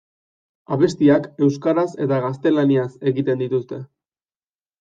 Abestiak euskaraz eta gaztelaniaz egiten dituzte.